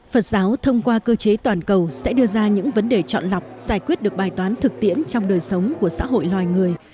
phật giáo thông qua cơ chế toàn cầu sẽ đưa ra những vấn đề chọn lọc giải quyết được bài toán thực tiễn trong đời sống của xã hội loài người